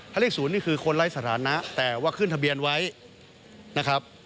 ถ้าเลข๐นี่คือคนไร้สถานะแต่ว่าขึ้นทะเบียนไว้นะครับ